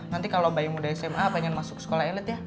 nanti kalau mbak im udah sma bayangin masuk sekolah elit ya